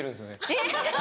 えっ！